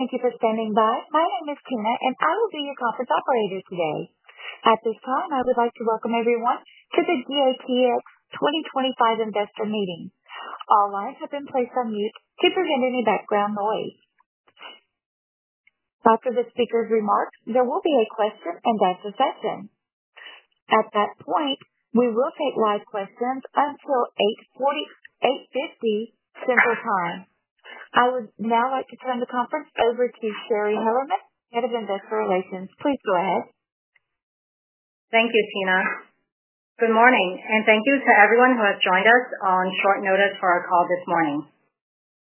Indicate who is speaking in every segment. Speaker 1: Thank you for standing by. My name is Tina, and I will be your conference operator today. At this time, I would like to welcome everyone to the GATX 2025 Investor Meeting. All lines have been placed on mute to prevent any background noise. After the speaker's remarks, there will be a question-and-answer session. At that point, we will take live questions until 8:50 A.M. Central Time. I would now like to turn the conference over to Shari Hellerman, Head of Investor Relations. Please go ahead.
Speaker 2: Thank you, Tina. Good morning, and thank you to everyone who has joined us on short notice for our call this morning.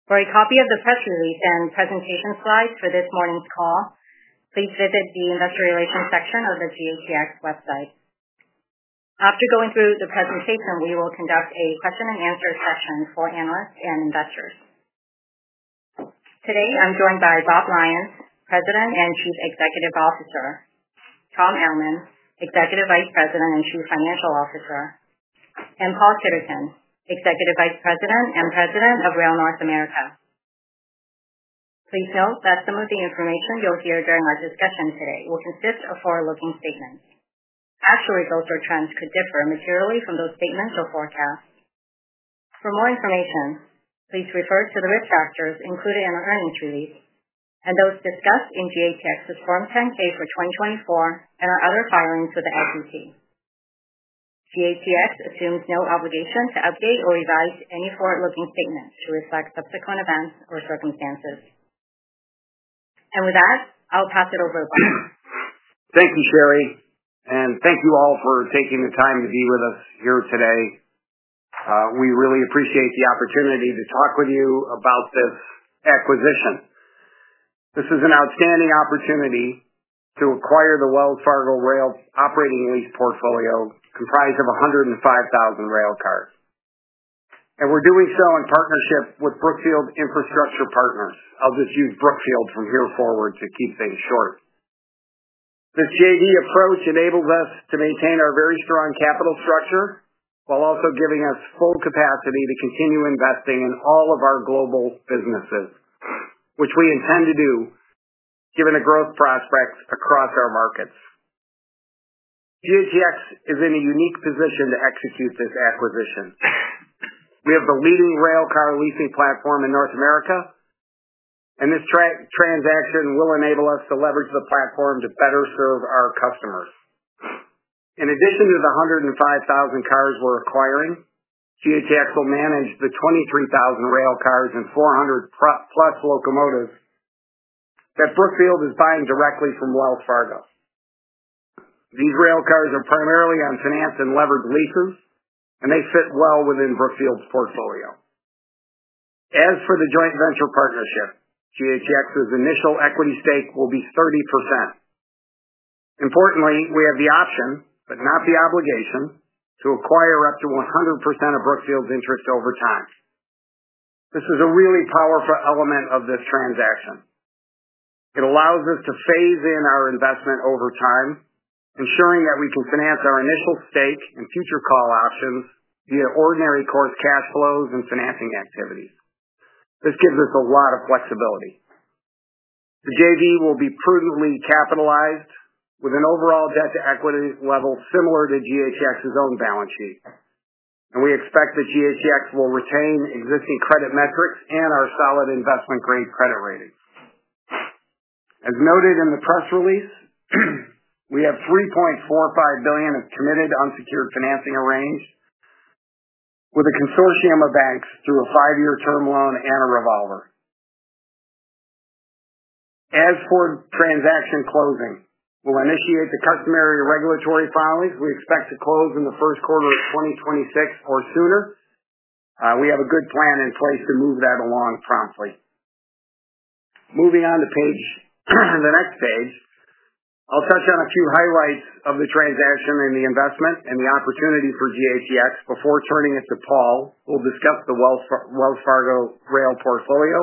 Speaker 2: For a copy of the press release and presentation slides for this morning's call, please visit the Investor Relations section of the GATX website. After going through the presentation, we will conduct a question-and-answer session for analysts and investors. Today, I'm joined by Bob Lyons, President and Chief Executive Officer; Tom Ellman, Executive Vice President and Chief Financial Officer; and Paul Titterton, Executive Vice President and President of Rail North America. Please note that some of the information you'll hear during our discussion today will consist of forward-looking statements. Actual results or trends could differ materially from those statements or forecasts. For more information, please refer to the risk factors included in our earnings release and those discussed in GATX's Form 10-K for 2024 and our other filings with the SEC. GATX assumes no obligation to update or revise any forward-looking statements to reflect subsequent events or circumstances. I'll pass it over to Bob.
Speaker 3: Thank you, Shari, and thank you all for taking the time to be with us here today. We really appreciate the opportunity to talk with you about this acquisition. This is an outstanding opportunity to acquire the Wells Fargo Rail operating lease portfolio comprised of 105,000 railcars. We're doing so in partnership with Brookfield Infrastructure Partners. I'll just use Brookfield from here forward to keep things short. This JV approach enables us to maintain our very strong capital structure while also giving us full capacity to continue investing in all of our global businesses, which we intend to do given the growth prospects across our markets. GATX is in a unique position to execute this acquisition. We have the leading railcar leasing platform in North America, and this transaction will enable us to leverage the platform to better serve our customers. In addition to the 105,000 cars we're acquiring, GATX will manage the 23,000 rail cars and 400-plus locomotives that Brookfield is buying directly from Wells Fargo. These rail cars are primarily on financed and levered leases, and they fit well within Brookfield's portfolio. As for the joint venture partnership, GATX's initial equity stake will be 30%. Importantly, we have the option, but not the obligation, to acquire up to 100% of Brookfield's interest over time. This is a really powerful element of this transaction. It allows us to phase in our investment over time, ensuring that we can finance our initial stake and future call options via ordinary course cash flows and financing activities. This gives us a lot of flexibility. The JV will be prudently capitalized with an overall debt-to-equity level similar to GATX's own balance sheet. We expect that GATX will retain existing credit metrics and our solid investment-grade credit ratings. As noted in the press release, we have $3.45 billion of committed unsecured financing arranged with a consortium of banks through a five-year term loan and a revolver. As for transaction closing, we will initiate the customary regulatory filings. We expect to close in the first quarter of 2026 or sooner. We have a good plan in place to move that along promptly. Moving on to the next page, I will touch on a few highlights of the transaction and the investment and the opportunity for GATX before turning it to Paul, who will discuss the Wells Fargo Rail portfolio,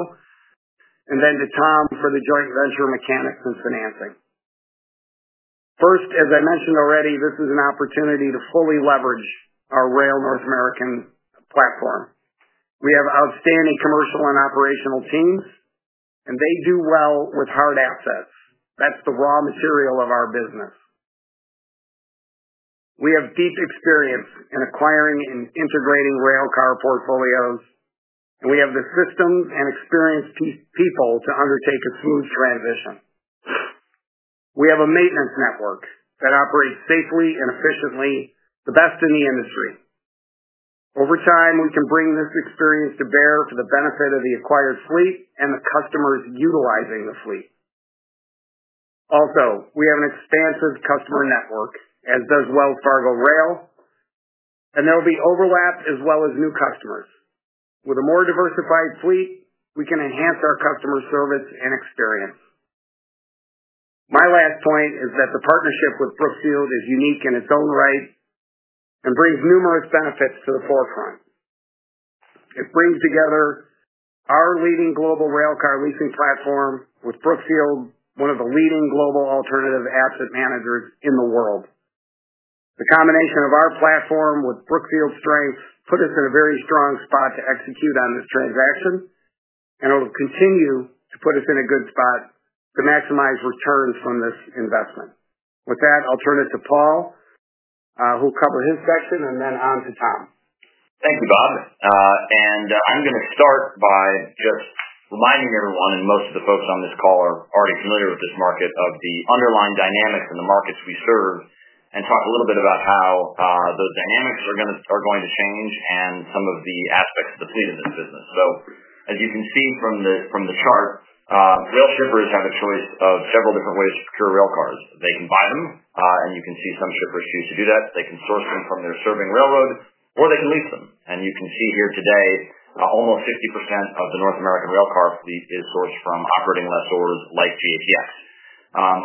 Speaker 3: and then to Tom for the joint venture mechanics and financing. First, as I mentioned already, this is an opportunity to fully leverage our Rail North American platform. We have outstanding commercial and operational teams, and they do well with hard assets. That is the raw material of our business. We have deep experience in acquiring and integrating railcar portfolios, and we have the systems and experienced people to undertake a smooth transition. We have a maintenance network that operates safely and efficiently, the best in the industry. Over time, we can bring this experience to bear for the benefit of the acquired fleet and the customers utilizing the fleet. Also, we have an expansive customer network, as does Wells Fargo Rail, and there will be overlap as well as new customers. With a more diversified fleet, we can enhance our customer service and experience. My last point is that the partnership with Brookfield is unique in its own right and brings numerous benefits to the forefront. It brings together our leading global railcar leasing platform with Brookfield, one of the leading global alternative asset managers in the world. The combination of our platform with Brookfield's strengths put us in a very strong spot to execute on this transaction, and it will continue to put us in a good spot to maximize returns from this investment. With that, I'll turn it to Paul, who will cover his section, and then on to Tom.
Speaker 4: Thank you, Bob. I'm going to start by just reminding everyone, and most of the folks on this call are already familiar with this market, of the underlying dynamics in the markets we serve, and talk a little bit about how those dynamics are going to change and some of the aspects of the fleet in this business. As you can see from the chart, rail shippers have a choice of several different ways to procure railcars. They can buy them, and you can see some shippers choose to do that. They can source them from their serving railroad, or they can lease them. You can see here today, almost 60% of the North American railcar fleet is sourced from operating lessors like GATX.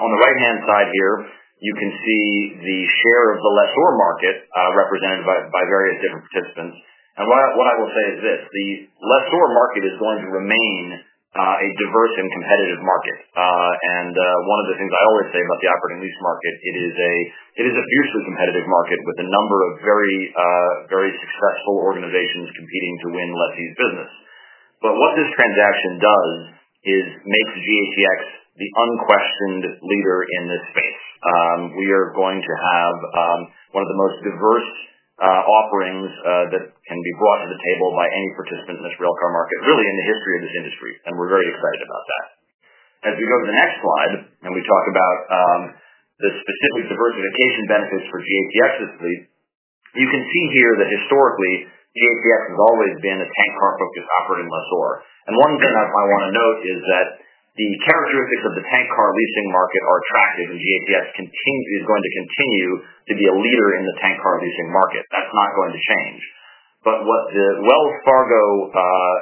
Speaker 4: On the right-hand side here, you can see the share of the lessor market represented by various different participants. What I will say is this: the lessor market is going to remain a diverse and competitive market. One of the things I always say about the operating lease market, it is a fiercely competitive market with a number of very successful organizations competing to win lessees' business. What this transaction does is make GATX the unquestioned leader in this space. We are going to have one of the most diverse offerings that can be brought to the table by any participant in this railcar market, really in the history of this industry, and we're very excited about that. As we go to the next slide and we talk about the specific diversification benefits for GATX's fleet, you can see here that historically, GATX has always been a tank car-focused operating lessor. One thing I want to note is that the characteristics of the tank car leasing market are attractive, and GATX is going to continue to be a leader in the tank car leasing market. That is not going to change. What the Wells Fargo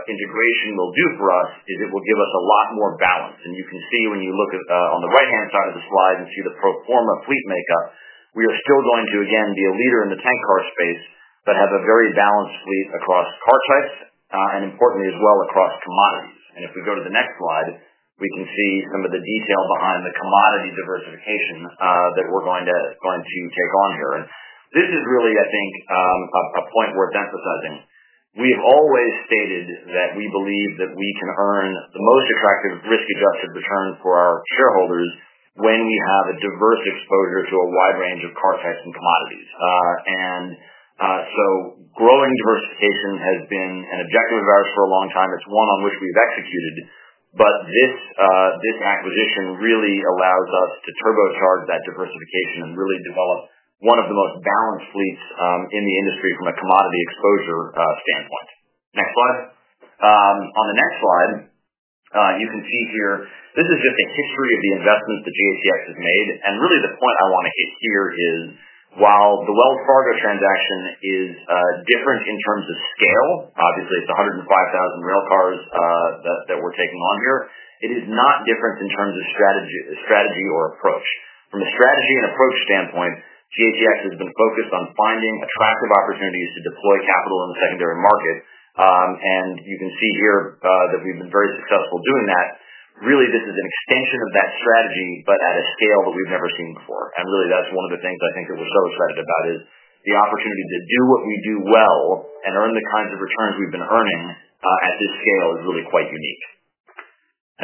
Speaker 4: integration will do for us is it will give us a lot more balance. You can see when you look on the right-hand side of the slide and see the pro forma fleet makeup, we are still going to, again, be a leader in the tank car space but have a very balanced fleet across car types and, importantly, as well across commodities. If we go to the next slide, we can see some of the detail behind the commodity diversification that we are going to take on here. This is really, I think, a point worth emphasizing. We have always stated that we believe that we can earn the most attractive risk-adjusted return for our shareholders when we have a diverse exposure to a wide range of car types and commodities. Growing diversification has been an objective of ours for a long time. It is one on which we have executed, but this acquisition really allows us to turbocharge that diversification and really develop one of the most balanced fleets in the industry from a commodity exposure standpoint. Next slide. On the next slide, you can see here this is just a history of the investments that GATX has made. The point I want to hit here is, while the Wells Fargo transaction is different in terms of scale—obviously, it is 105,000 railcars that we are taking on here—it is not different in terms of strategy or approach. From a strategy and approach standpoint, GATX has been focused on finding attractive opportunities to deploy capital in the secondary market. You can see here that we've been very successful doing that. Really, this is an extension of that strategy, but at a scale that we've never seen before. That is one of the things I think that we're so excited about, the opportunity to do what we do well and earn the kinds of returns we've been earning at this scale is really quite unique.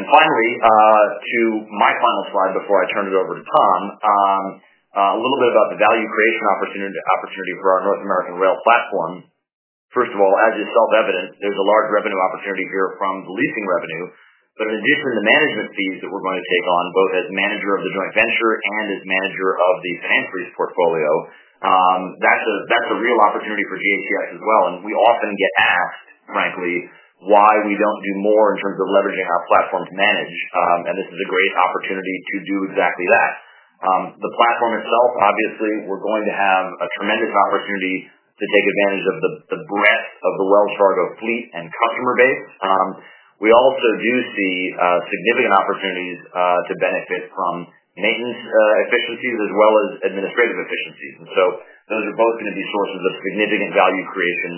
Speaker 4: Finally, to my final slide before I turn it over to Tom, a little bit about the value creation opportunity for our North American rail platform. First of all, as is self-evident, there's a large revenue opportunity here from the leasing revenue. In addition, the management fees that we're going to take on, both as manager of the joint venture and as manager of the finance lease portfolio, that's a real opportunity for GATX as well. We often get asked, frankly, why we don't do more in terms of leveraging our platform to manage. This is a great opportunity to do exactly that. The platform itself, obviously, we're going to have a tremendous opportunity to take advantage of the breadth of the Wells Fargo fleet and customer base. We also do see significant opportunities to benefit from maintenance efficiencies as well as administrative efficiencies. Those are both going to be sources of significant value creation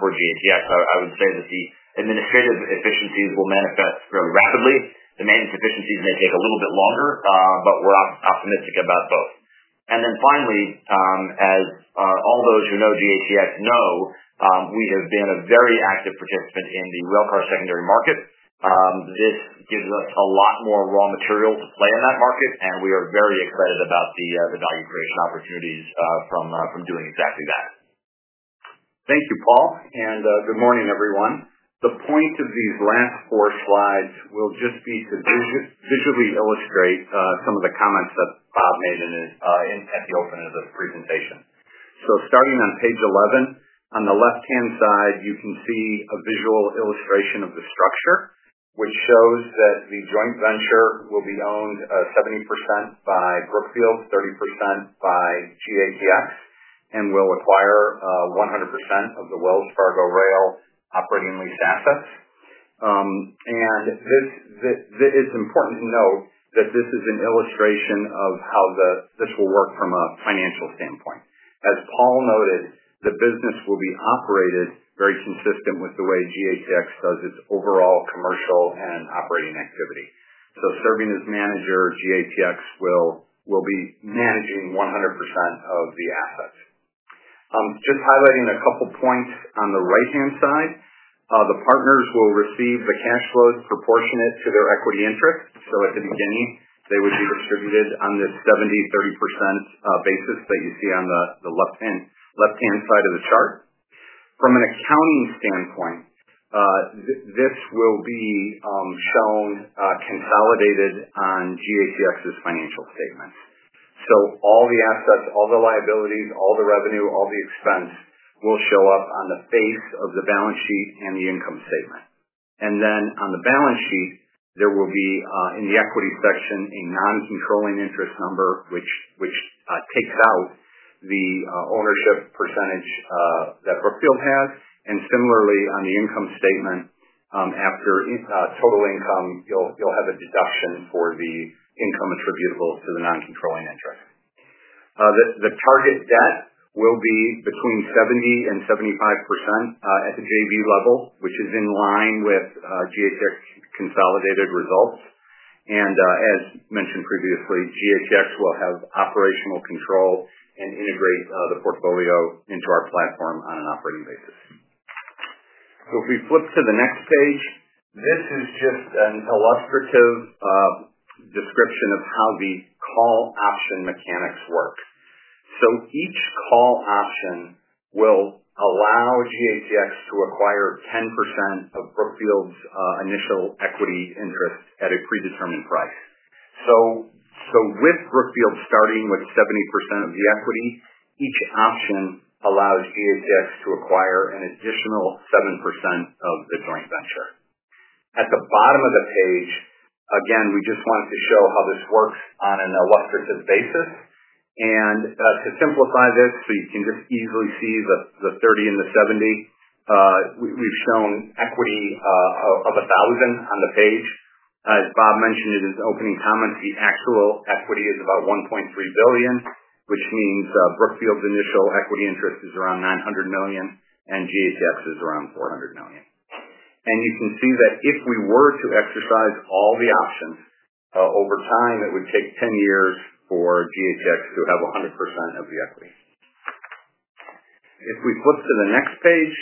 Speaker 4: for GATX. I would say that the administrative efficiencies will manifest fairly rapidly. The maintenance efficiencies may take a little bit longer, but we're optimistic about both. Finally, as all those who know GATX know, we have been a very active participant in the railcar secondary market. This gives us a lot more raw material to play in that market, and we are very excited about the value creation opportunities from doing exactly that.
Speaker 5: Thank you, Paul. Good morning, everyone. The point of these last four slides will just be to visually illustrate some of the comments that Bob made at the opening of the presentation. Starting on page 11, on the left-hand side, you can see a visual illustration of the structure, which shows that the joint venture will be owned 70% by Brookfield, 30% by GATX, and will acquire 100% of the Wells Fargo Rail operating lease assets. It is important to note that this is an illustration of how this will work from a financial standpoint. As Paul noted, the business will be operated very consistent with the way GATX does its overall commercial and operating activity. Serving as manager, GATX will be managing 100% of the assets. Just highlighting a couple of points on the right-hand side, the partners will receive the cash flows proportionate to their equity interest. At the beginning, they would be distributed on this 70%/30% basis that you see on the left-hand side of the chart. From an accounting standpoint, this will be shown consolidated on GATX's financial statements. All the assets, all the liabilities, all the revenue, all the expense will show up on the face of the balance sheet and the income statement. On the balance sheet, there will be, in the equity section, a non-controlling interest number, which takes out the ownership percentage that Brookfield has. Similarly, on the income statement, after total income, you'll have a deduction for the income attributable to the non-controlling interest. The target debt will be between 70%-75% at the JV level, which is in line with GATX consolidated results. As mentioned previously, GATX will have operational control and integrate the portfolio into our platform on an operating basis. If we flip to the next page, this is just an illustrative description of how the call option mechanics work. Each call option will allow GATX to acquire 10% of Brookfield's initial equity interest at a predetermined price. With Brookfield starting with 70% of the equity, each option allows GATX to acquire an additional 7% of the joint venture. At the bottom of the page, again, we just wanted to show how this works on an illustrative basis. To simplify this, so you can just easily see the 30 and the 70, we've shown equity of $1,000 on the page. As Bob mentioned in his opening comments, the actual equity is about $1.3 billion, which means Brookfield's initial equity interest is around $900 million and GATX is around $400 million. You can see that if we were to exercise all the options over time, it would take 10 years for GATX to have 100% of the equity. If we flip to the next page,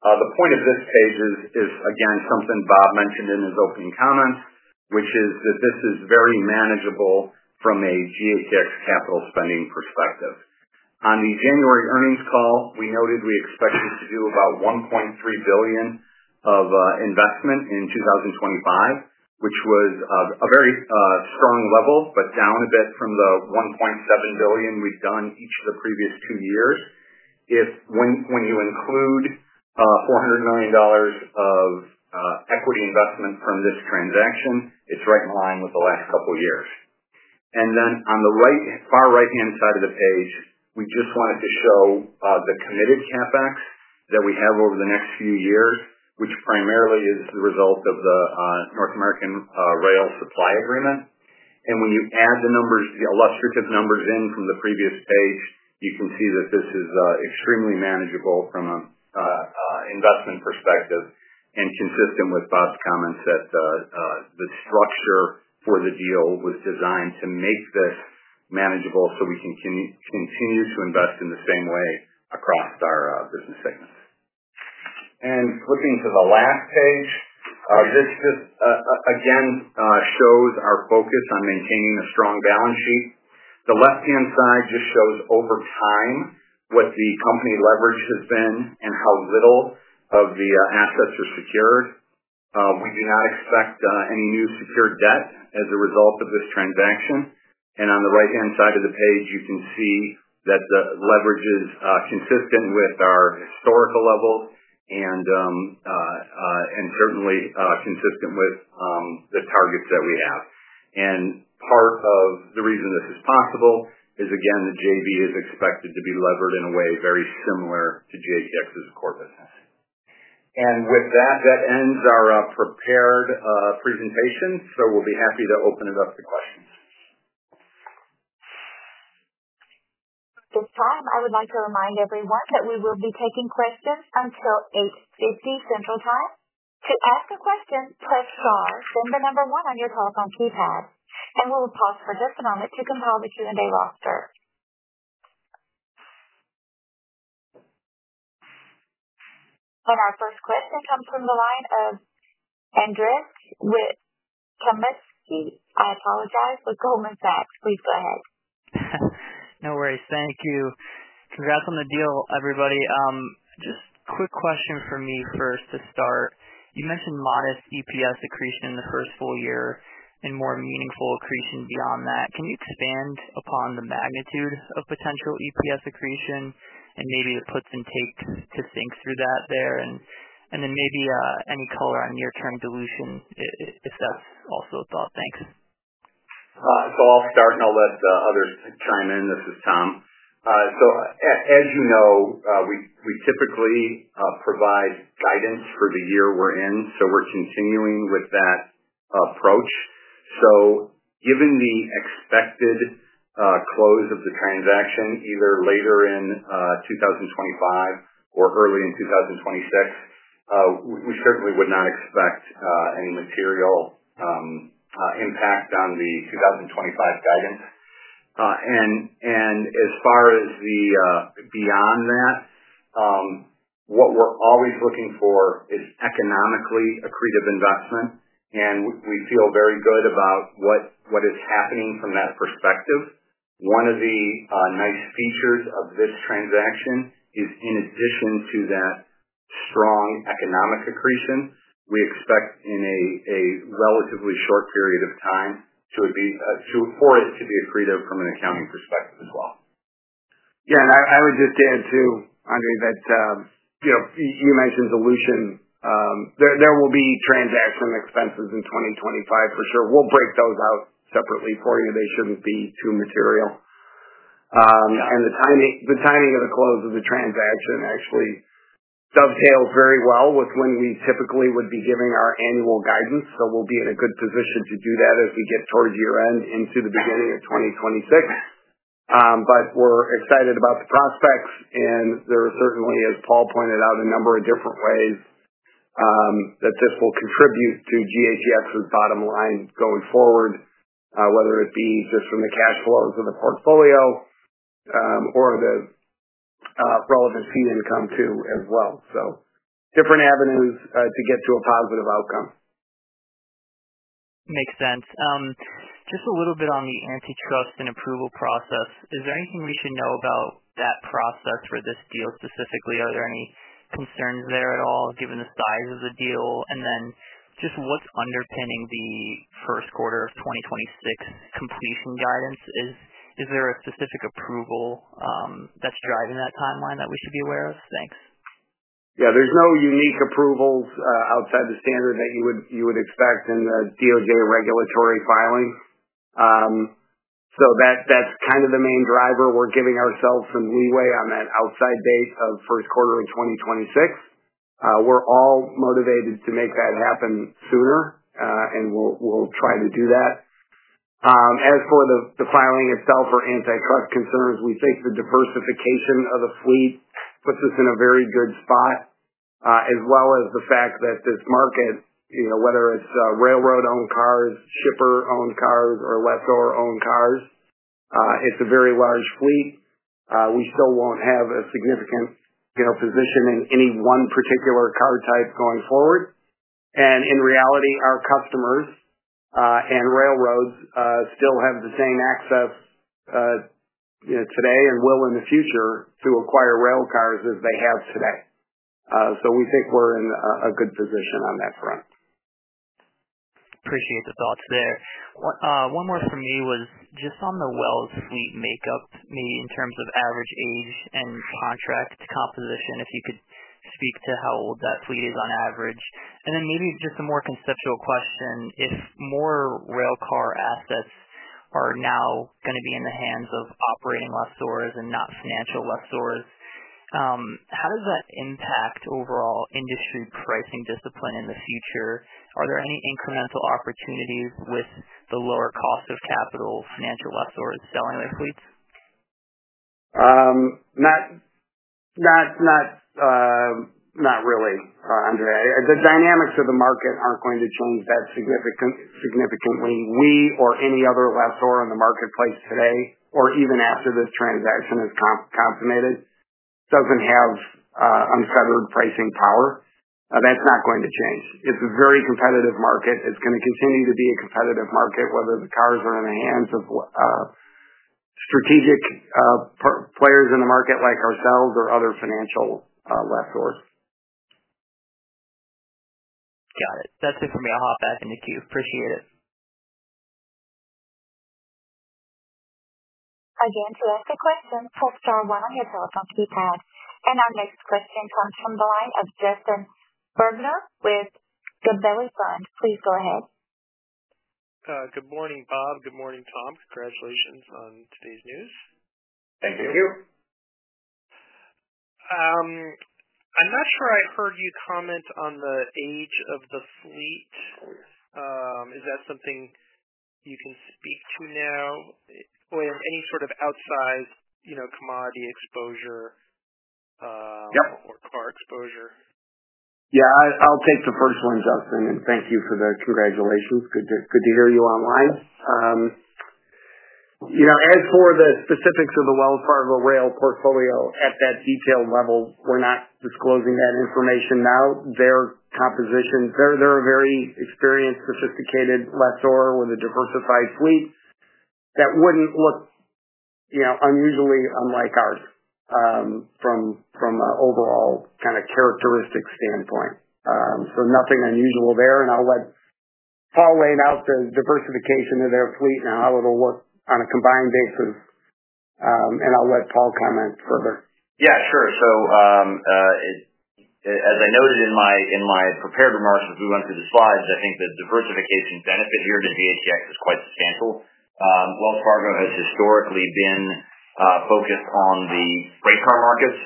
Speaker 5: the point of this page is, again, something Bob mentioned in his opening comments, which is that this is very manageable from a GATX capital spending perspective. On the January earnings call, we noted we expected to do about $1.3 billion of investment in 2025, which was a very strong level, but down a bit from the $1.7 billion we've done each of the previous two years. When you include $400 million of equity investment from this transaction, it's right in line with the last couple of years. On the far right-hand side of the page, we just wanted to show the committed CapEx that we have over the next few years, which primarily is the result of the North American rail supply agreement. When you add the illustrative numbers in from the previous page, you can see that this is extremely manageable from an investment perspective and consistent with Bob's comments that the structure for the deal was designed to make this manageable so we can continue to invest in the same way across our business segments. Flipping to the last page, this just, again, shows our focus on maintaining a strong balance sheet. The left-hand side just shows over time what the company leverage has been and how little of the assets are secured. We do not expect any new secured debt as a result of this transaction. On the right-hand side of the page, you can see that the leverage is consistent with our historical level and certainly consistent with the targets that we have. Part of the reason this is possible is, again, the JV is expected to be levered in a way very similar to GATX's core business. With that, that ends our prepared presentation. We'll be happy to open it up to questions.
Speaker 1: This time, I would like to remind everyone that we will be taking questions until 8:50 Central Time. To ask a question, press star, then the number one on your telephone keypad. We will pause for just a moment to compile the Q&A roster. Our first question comes from the line of Kenney. I apologize, with Goldman Sachs. Please go ahead.
Speaker 6: No worries. Thank you. Congrats on the deal, everybody. Just a quick question for me first to start. You mentioned modest EPS accretion in the first full year and more meaningful accretion beyond that. Can you expand upon the magnitude of potential EPS accretion and maybe the puts and takes to think through that there? Maybe any color on near-term dilution if that's also a thought. Thanks.
Speaker 5: I'll start and I'll let others chime in. This is Tom. As you know, we typically provide guidance for the year we're in. We're continuing with that approach. Given the expected close of the transaction, either later in 2025 or early in 2026, we certainly would not expect any material impact on the 2025 guidance. As far as beyond that, what we're always looking for is economically accretive investment. We feel very good about what is happening from that perspective. One of the nice features of this transaction is, in addition to that strong economic accretion, we expect in a relatively short period of time for it to be accretive from an accounting perspective as well.
Speaker 3: Yeah. I would just add too, Andrzej, that you mentioned dilution. There will be transaction expenses in 2025 for sure. We'll break those out separately for you. They shouldn't be too material. The timing of the close of the transaction actually dovetails very well with when we typically would be giving our annual guidance. We will be in a good position to do that as we get towards year-end into the beginning of 2026. We are excited about the prospects. There are certainly, as Paul pointed out, a number of different ways that this will contribute to GATX's bottom line going forward, whether it be just from the cash flows of the portfolio or the relevant fee income too as well. Different avenues to get to a positive outcome.
Speaker 6: Makes sense. Just a little bit on the antitrust and approval process. Is there anything we should know about that process for this deal specifically? Are there any concerns there at all, given the size of the deal? Just what's underpinning the first quarter of 2026 completion guidance? Is there a specific approval that's driving that timeline that we should be aware of? Thanks.
Speaker 3: Yeah. There's no unique approvals outside the standard that you would expect in the DOJ regulatory filing. That is kind of the main driver. We're giving ourselves some leeway on that outside date of first quarter of 2026. We're all motivated to make that happen sooner, and we'll try to do that. As for the filing itself or antitrust concerns, we think the diversification of the fleet puts us in a very good spot, as well as the fact that this market, whether it's railroad-owned cars, shipper-owned cars, or lessor-owned cars, it's a very large fleet. We still won't have a significant position in any one particular car type going forward. In reality, our customers and railroads still have the same access today and will in the future to acquire railcars as they have today. We think we're in a good position on that front.
Speaker 6: Appreciate the thoughts there. One more from me was just on the Wells fleet makeup, maybe in terms of average age and contract composition, if you could speak to how old that fleet is on average. Then maybe just a more conceptual question. If more railcar assets are now going to be in the hands of operating lessors and not financial lessors, how does that impact overall industry pricing discipline in the future? Are there any incremental opportunities with the lower cost of capital financial lessors selling their fleets?
Speaker 3: Not really, Andrzej. The dynamics of the market aren't going to change that significantly. We or any other lessor in the marketplace today, or even after this transaction is consummated, don't have unfettered pricing power. That's not going to change. It's a very competitive market. It's going to continue to be a competitive market, whether the cars are in the hands of strategic players in the market like ourselves or other financial lessors.
Speaker 6: Got it. That's it for me. I'll hop back into queue. Appreciate it.
Speaker 1: Again, to ask a question, press star one on your telephone keypad. Our next question comes from the line of Justin Bergner with Gabelli Funds. Please go ahead.
Speaker 7: Good morning, Bob. Good morning, Tom. Congratulations on today's news.
Speaker 5: Thank you.
Speaker 7: Thank you. I'm not sure I heard you comment on the age of the fleet. Is that something you can speak to now? Any sort of outsized commodity exposure or car exposure?
Speaker 5: Yeah. I'll take the first one, Justin. Thank you for the congratulations. Good to hear you online. As for the specifics of the Wells Fargo rail portfolio at that detailed level, we're not disclosing that information now. Their composition, they're a very experienced, sophisticated lessor with a diversified fleet that would not look unusually unlike ours from an overall kind of characteristic standpoint. Nothing unusual there. I'll let Paul lay out the diversification of their fleet and how it will look on a combined basis. I'll let Paul comment further.
Speaker 4: Yeah, sure. As I noted in my prepared remarks as we went through the slides, I think the diversification benefit here to GATX is quite substantial. Wells Fargo has historically been focused on the freight car markets.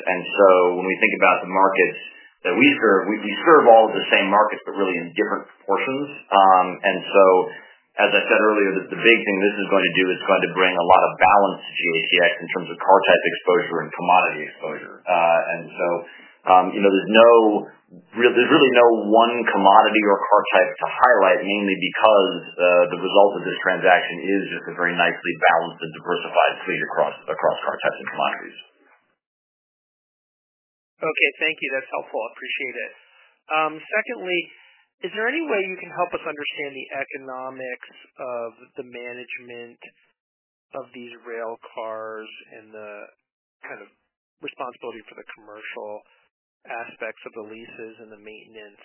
Speaker 4: When we think about the markets that we serve, we serve all of the same markets, but really in different proportions. As I said earlier, the big thing this is going to do is bring a lot of balance to GATX in terms of car type exposure and commodity exposure. There is really no one commodity or car type to highlight, mainly because the result of this transaction is just a very nicely balanced and diversified fleet across car types and commodities.
Speaker 7: Okay. Thank you. That's helpful. Appreciate it. Secondly, is there any way you can help us understand the economics of the management of these railcars and the kind of responsibility for the commercial aspects of the leases and the maintenance,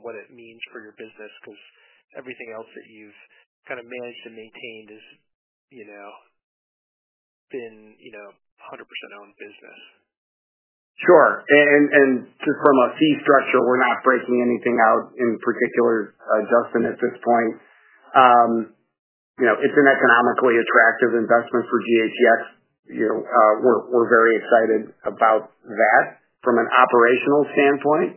Speaker 7: what it means for your business? Because everything else that you've kind of managed and maintained has been 100% owned business.
Speaker 5: Sure. Just from a fee structure, we're not breaking anything out in particular, Justin, at this point. It's an economically attractive investment for GATX. We're very excited about that from an operational standpoint.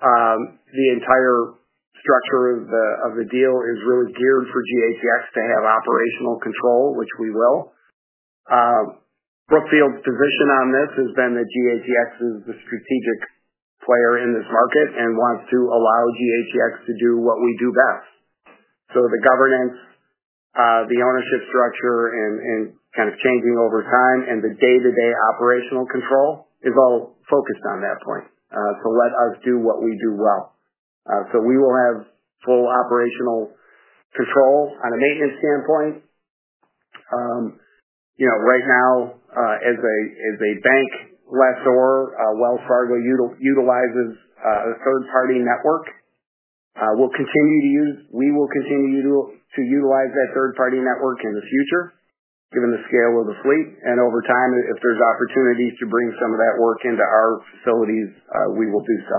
Speaker 5: The entire structure of the deal is really geared for GATX to have operational control, which we will. Brookfield's position on this has been that GATX is the strategic player in this market and wants to allow GATX to do what we do best. The governance, the ownership structure, and kind of changing over time and the day-to-day operational control is all focused on that point to let us do what we do well. We will have full operational control on a maintenance standpoint. Right now, as a bank lessor, Wells Fargo utilizes a third-party network. We will continue to utilize that third-party network in the future, given the scale of the fleet. Over time, if there are opportunities to bring some of that work into our facilities, we will do so.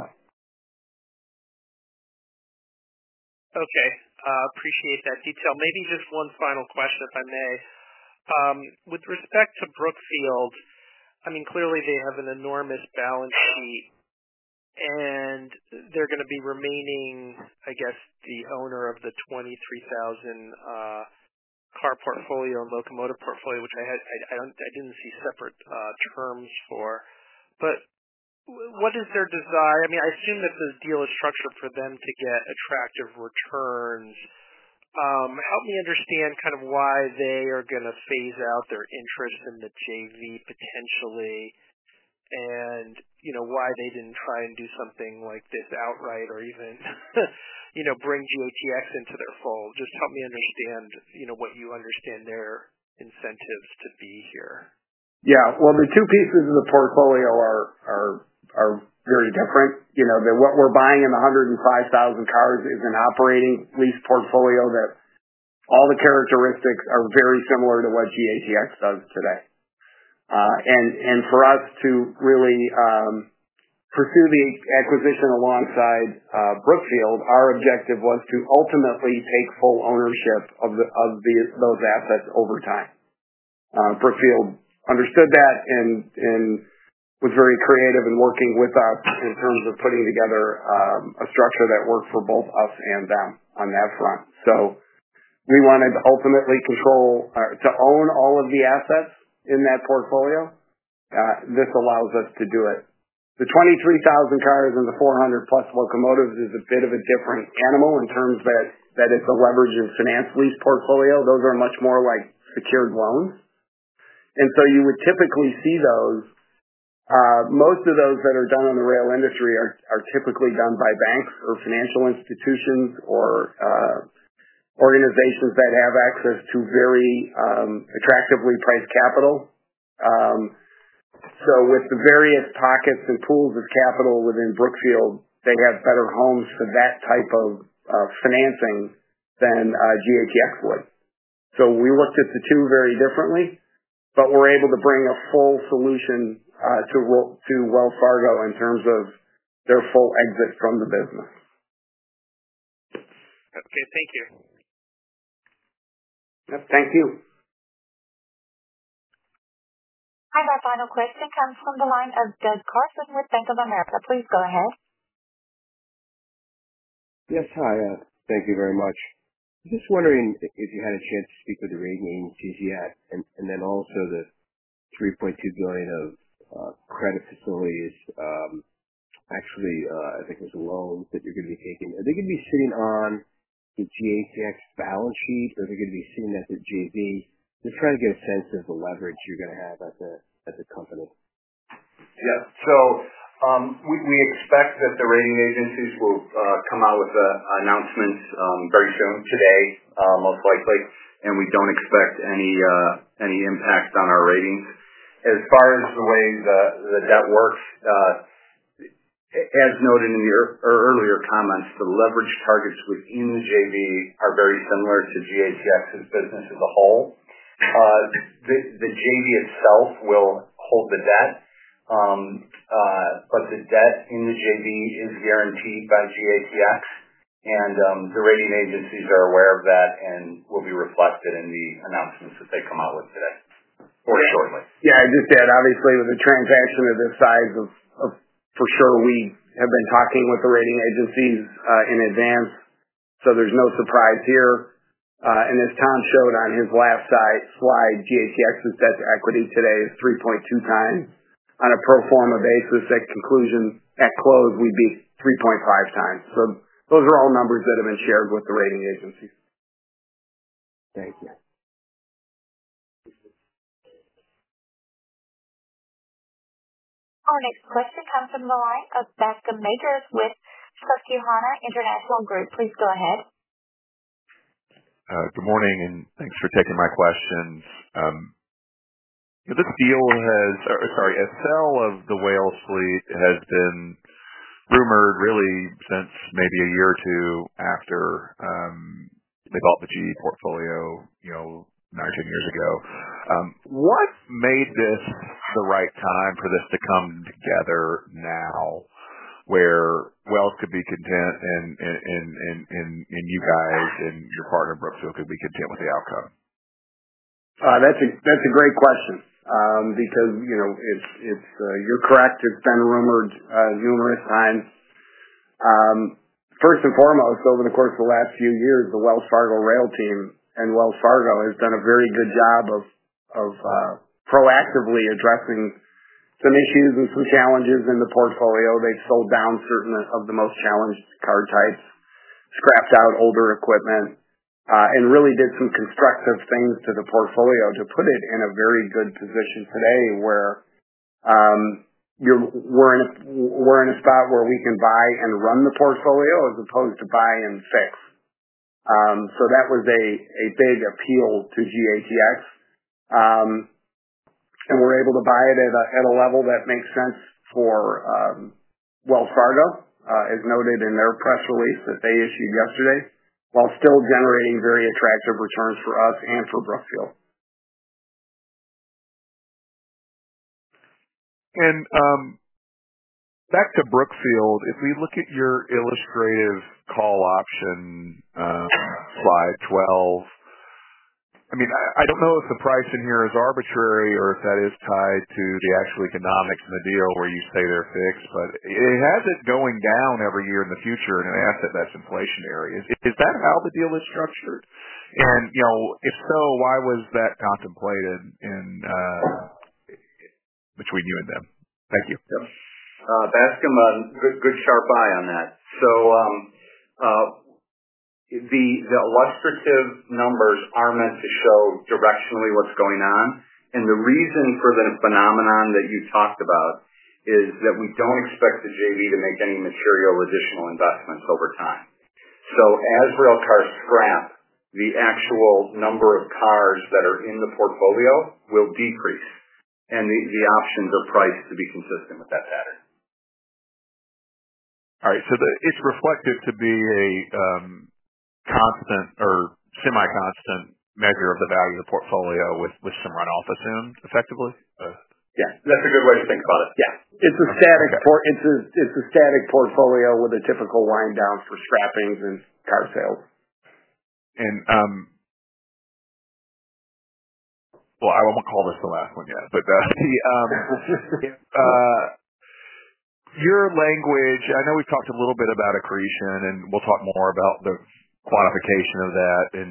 Speaker 7: Okay. Appreciate that detail. Maybe just one final question, if I may. With respect to Brookfield, I mean, clearly they have an enormous balance sheet, and they're going to be remaining, I guess, the owner of the 23,000 car portfolio and locomotive portfolio, which I didn't see separate terms for. What is their desire? I mean, I assume that the deal is structured for them to get attractive returns. Help me understand kind of why they are going to phase out their interest in the JV potentially and why they didn't try and do something like this outright or even bring GATX into their fold. Just help me understand what you understand their incentives to be here.
Speaker 5: Yeah. The two pieces of the portfolio are very different. What we're buying in the 105,000 cars is an operating lease portfolio that all the characteristics are very similar to what GATX does today. For us to really pursue the acquisition alongside Brookfield, our objective was to ultimately take full ownership of those assets over time. Brookfield understood that and was very creative in working with us in terms of putting together a structure that worked for both us and them on that front. We wanted to ultimately control or to own all of the assets in that portfolio. This allows us to do it. The 23,000 cars and the 400-plus locomotives is a bit of a different animal in terms that it's a leveraged and financed lease portfolio. Those are much more like secured loans. You would typically see those. Most of those that are done in the rail industry are typically done by banks or financial institutions or organizations that have access to very attractively priced capital. With the various pockets and pools of capital within Brookfield, they have better homes for that type of financing than GATX would. We looked at the two very differently, but we were able to bring a full solution to Wells Fargo in terms of their full exit from the business.
Speaker 7: Okay. Thank you.
Speaker 5: Yep. Thank you.
Speaker 1: Our final question comes from the line of Doug Carson with Bank of America. Please go ahead.
Speaker 8: Yes. Hi. Thank you very much. I'm just wondering if you had a chance to speak with the rate names you had and then also the $3.2 billion of credit facilities. Actually, I think there's a loan that you're going to be taking. Are they going to be sitting on the GATX balance sheet, or are they going to be sitting at the JV? Just trying to get a sense of the leverage you're going to have at the company.
Speaker 4: Yeah. We expect that the rating agencies will come out with announcements very soon, today, most likely. We do not expect any impact on our ratings. As far as the way the debt works, as noted in your earlier comments, the leverage targets within the JV are very similar to GATX's business as a whole. The JV itself will hold the debt, but the debt in the JV is guaranteed by GATX. The rating agencies are aware of that and it will be reflected in the announcements that they come out with today or shortly.
Speaker 5: Yeah. Just add, obviously, with a transaction of this size, for sure, we have been talking with the rating agencies in advance. There is no surprise here. As Tom showed on his last slide, GATX's debt to equity today is 3.2x. On a pro forma basis, at close, we would be 3.5x Those are all numbers that have been shared with the rating agencies.
Speaker 8: Thank you.
Speaker 1: Our next question comes from the line of Beth Gemmakers with Stifel Nicolaus. Please go ahead.
Speaker 9: Good morning, and thanks for taking my questions. This deal has—sorry, a sale of the Wells fleet has been rumored really since maybe a year or two after they bought the GE portfolio 19 years ago. What made this the right time for this to come together now where Wells could be content and you guys and your partner, Brookfield, could be content with the outcome?
Speaker 5: That's a great question because you're correct. It's been rumored numerous times. First and foremost, over the course of the last few years, the Wells Fargo rail team and Wells Fargo has done a very good job of proactively addressing some issues and some challenges in the portfolio. They've sold down certain of the most challenged car types, scrapped out older equipment, and really did some constructive things to the portfolio to put it in a very good position today where we're in a spot where we can buy and run the portfolio as opposed to buy and fix. That was a big appeal to GATX. We're able to buy it at a level that makes sense for Wells Fargo, as noted in their press release that they issued yesterday, while still generating very attractive returns for us and for Brookfield.
Speaker 9: Back to Brookfield, if we look at your illustrative call option slide 12, I mean, I do not know if the price in here is arbitrary or if that is tied to the actual economics in the deal where you say they are fixed, but it has it going down every year in the future in an asset-based inflation area. Is that how the deal is structured? If so, why was that contemplated between you and them? Thank you.
Speaker 4: Yep.
Speaker 5: Beth, come on. Good sharp eye on that. The illustrative numbers are meant to show directionally what's going on. The reason for the phenomenon that you talked about is that we do not expect the JV to make any material additional investments over time. As railcars scrap, the actual number of cars that are in the portfolio will decrease. The options are priced to be consistent with that pattern.
Speaker 9: All right. So it's reflected to be a constant or semi-constant measure of the value of the portfolio with some runoff assumed, effectively?
Speaker 4: Yeah. That's a good way to think about it.
Speaker 5: Yeah. It's a static portfolio with a typical wind down for scrappings and car sales.
Speaker 9: I won't call this the last one yet, but your language, I know we've talked a little bit about accretion, and we'll talk more about the quantification of that in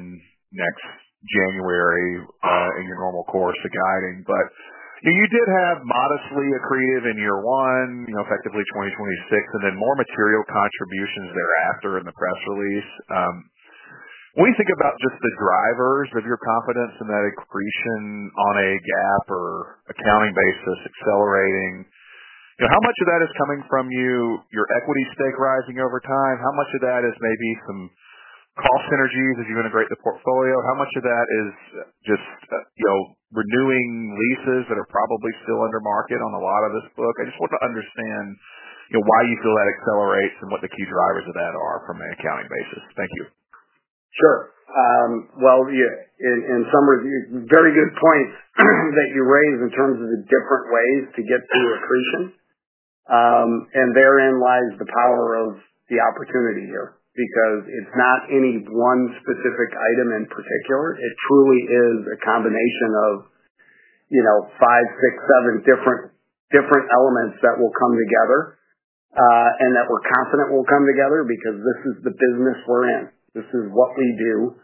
Speaker 9: next January in your normal course, the guiding. You did have modestly accretive in year one, effectively 2026, and then more material contributions thereafter in the press release. When we think about just the drivers of your confidence in that accretion on a GAAP or accounting basis accelerating, how much of that is coming from you, your equity stake rising over time? How much of that is maybe some cost synergies as you integrate the portfolio? How much of that is just renewing leases that are probably still under market on a lot of this book? I just want to understand why you feel that accelerates and what the key drivers of that are from an accounting basis. Thank you.
Speaker 5: Sure. In summary, very good points that you raise in terms of the different ways to get to accretion. Therein lies the power of the opportunity here because it is not any one specific item in particular. It truly is a combination of five, six, seven different elements that will come together and that we are confident will come together because this is the business we are in. This is what we do,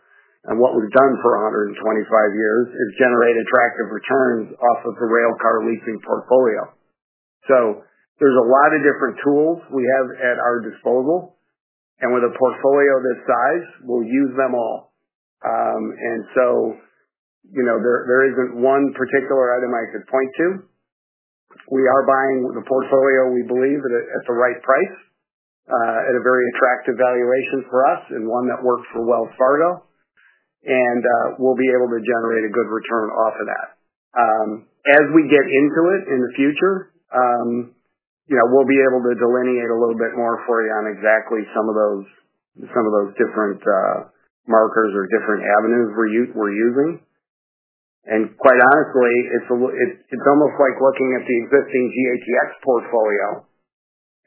Speaker 5: and what we have done for 125 years is generate attractive returns off of the railcar leasing portfolio. There are a lot of different tools we have at our disposal. With a portfolio this size, we will use them all. There is not one particular item I could point to. We are buying the portfolio we believe at the right price at a very attractive valuation for us and one that works for Wells Fargo. We will be able to generate a good return off of that. As we get into it in the future, we will be able to delineate a little bit more for you on exactly some of those different markers or different avenues we are using. Quite honestly, it is almost like looking at the existing GATX portfolio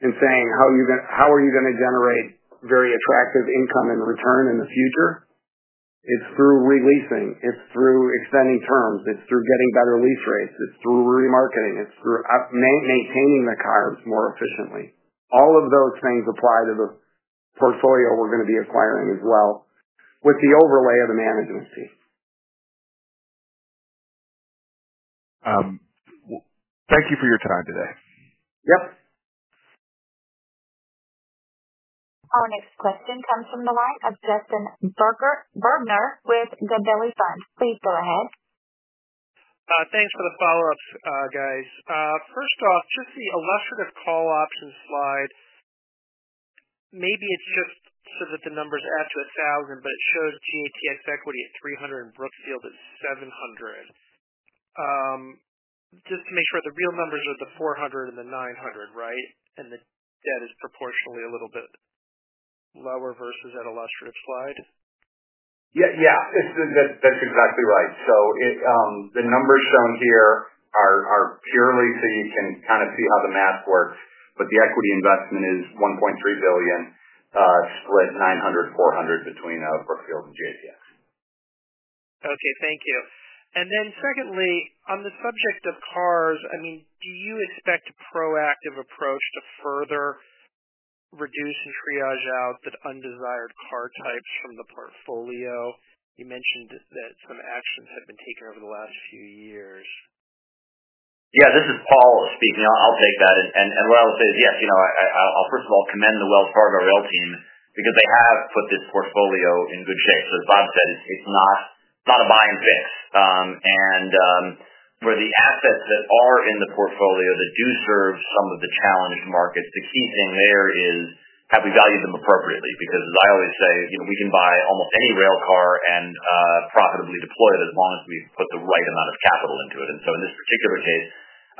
Speaker 5: and saying, "How are you going to generate very attractive income and return in the future?" It is through releasing. It is through extending terms. It is through getting better lease rates. It is through remarketing. It is through maintaining the cars more efficiently. All of those things apply to the portfolio we are going to be acquiring as well with the overlay of the management team.
Speaker 9: Thank you for your time today.
Speaker 5: Yep.
Speaker 1: Our next question comes from the line of Justin Bergner with Gabelli Funds. Please go ahead.
Speaker 7: Thanks for the follow-ups, guys. First off, just the illustrative call option slide, maybe it's just so that the numbers add to 1,000, but it shows GATX equity at 300 and Brookfield at 700. Just to make sure the real numbers are the 400 and the 900, right? And the debt is proportionally a little bit lower versus that illustrative slide?
Speaker 4: Yeah. That's exactly right. The numbers shown here are purely so you can kind of see how the math works. The equity investment is $1.3 billion split $900 million/$400 million between Brookfield and GATX.
Speaker 7: Okay. Thank you. Then secondly, on the subject of cars, I mean, do you expect a proactive approach to further reduce and triage out the undesired car types from the portfolio? You mentioned that some actions have been taken over the last few years.
Speaker 4: Yeah. This is Paul speaking. I'll take that. What I will say is, yes, I'll first of all commend the Wells Fargo rail team because they have put this portfolio in good shape. As Bob said, it's not a buy and fix. For the assets that are in the portfolio that do serve some of the challenged markets, the key thing there is have we valued them appropriately? Because as I always say, we can buy almost any railcar and profitably deploy it as long as we've put the right amount of capital into it. In this particular case,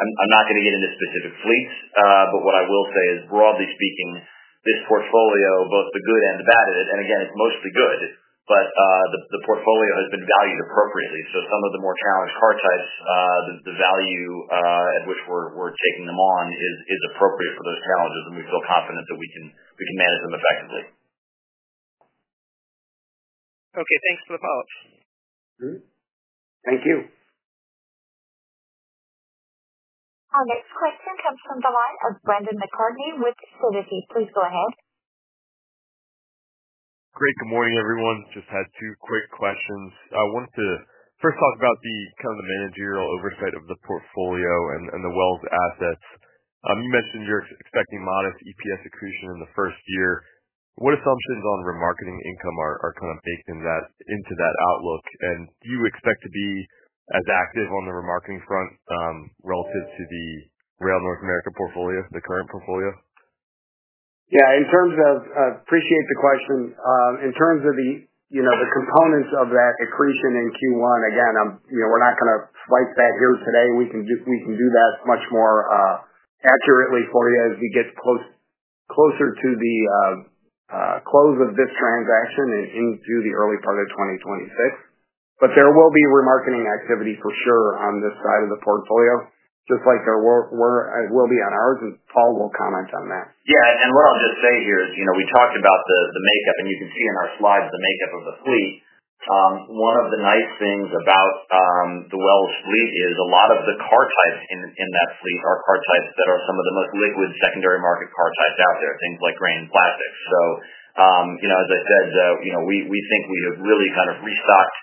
Speaker 4: I'm not going to get into specific fleets. What I will say is, broadly speaking, this portfolio, both the good and the bad in it, and again, it's mostly good, but the portfolio has been valued appropriately. Some of the more challenged car types, the value at which we're taking them on is appropriate for those challenges. We feel confident that we can manage them effectively.
Speaker 7: Okay. Thanks for the follow-ups.
Speaker 5: Thank you.
Speaker 1: Our next question comes from the line of Brandon McCartney with Citi. Please go ahead.
Speaker 10: Great. Good morning, everyone. Just had two quick questions. I wanted to first talk about kind of the managerial oversight of the portfolio and the Wells assets. You mentioned you're expecting modest EPS accretion in the first year. What assumptions on remarketing income are kind of baked into that outlook? Do you expect to be as active on the remarketing front relative to the rail North America portfolio, the current portfolio?
Speaker 5: Yeah. I appreciate the question. In terms of the components of that accretion in Q1, again, we're not going to fight that here today. We can do that much more accurately for you as we get closer to the close of this transaction into the early part of 2026. There will be remarketing activity for sure on this side of the portfolio, just like there will be on ours. Paul will comment on that.
Speaker 4: Yeah. What I'll just say here is we talked about the makeup. You can see in our slides the makeup of the fleet. One of the nice things about the Wells fleet is a lot of the car types in that fleet are car types that are some of the most liquid secondary market car types out there, things like grain and plastics. As I said, we think we have really kind of restocked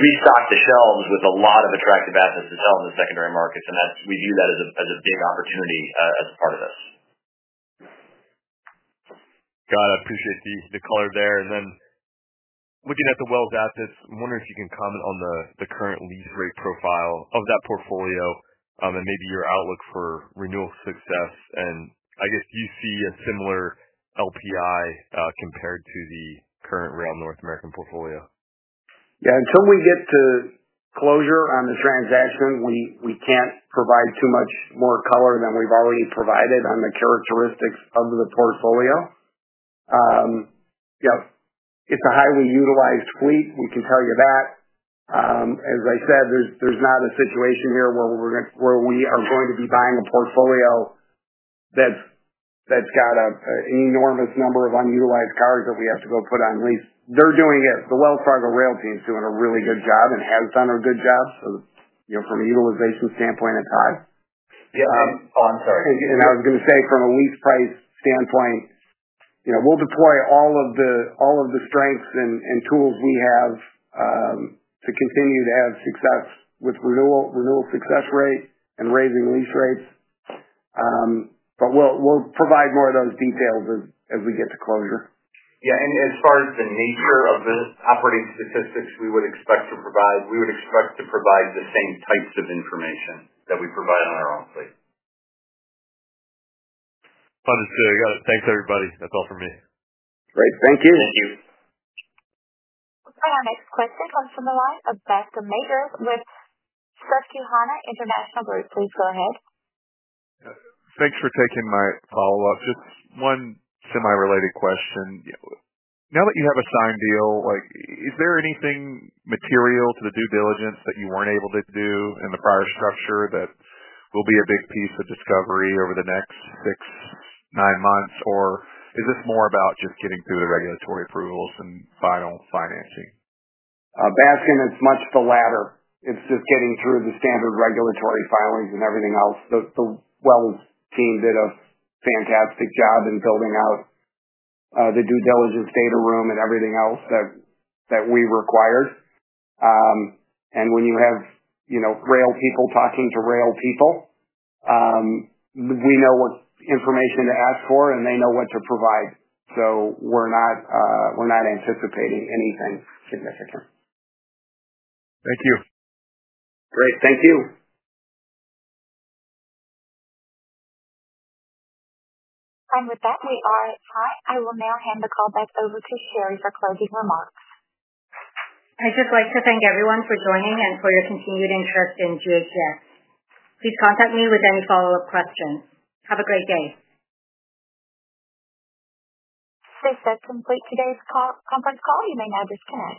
Speaker 4: the shelves with a lot of attractive assets to sell in the secondary markets. We view that as a big opportunity as part of this.
Speaker 10: Got it. I appreciate the color there. Looking at the Wells assets, I'm wondering if you can comment on the current lease rate profile of that portfolio and maybe your outlook for renewal success. I guess do you see a similar LPI compared to the current Rail North American portfolio?
Speaker 5: Yeah. Until we get to closure on the transaction, we can't provide too much more color than we've already provided on the characteristics of the portfolio. It's a highly utilized fleet. We can tell you that. As I said, there's not a situation here where we are going to be buying a portfolio that's got an enormous number of unutilized cars that we have to go put on lease. They're doing it. The Wells Fargo rail team's doing a really good job and has done a good job. From a utilization standpoint, it's high.
Speaker 4: Yeah. Oh, I'm sorry.
Speaker 5: From a lease price standpoint, we will deploy all of the strengths and tools we have to continue to have success with renewal success rate and raising lease rates. We will provide more of those details as we get to closure.
Speaker 4: Yeah. As far as the nature of the operating statistics we would expect to provide, we would expect to provide the same types of information that we provide on our own fleet.
Speaker 10: Understood. I got it. Thanks, everybody. That's all for me.
Speaker 5: Great. Thank you.
Speaker 4: Thank you.
Speaker 1: Our next question comes from the line of Beth Demayer with Stifel Nicolaus International Group. Please go ahead.
Speaker 9: Thanks for taking my follow-up. Just one semi-related question. Now that you have a signed deal, is there anything material to the due diligence that you were not able to do in the prior structure that will be a big piece of discovery over the next six to nine months? Or is this more about just getting through the regulatory approvals and final financing?
Speaker 5: Beth, it's much the latter. It's just getting through the standard regulatory filings and everything else. The Wells team did a fantastic job in building out the due diligence data room and everything else that we required. When you have rail people talking to rail people, we know what information to ask for, and they know what to provide. We're not anticipating anything significant.
Speaker 9: Thank you.
Speaker 4: Great. Thank you.
Speaker 1: With that, we are at time. I will now hand the call back over to Shari for closing remarks.
Speaker 2: I'd just like to thank everyone for joining and for your continued interest in GATX. Please contact me with any follow-up questions. Have a great day.
Speaker 1: This does complete today's conference call. You may now disconnect.